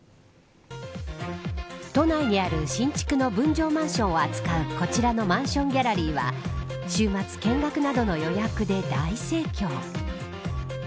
都内にある新築の分譲マンションを扱うこちらのマンションギャラリーは週末見学などの予約で大盛況。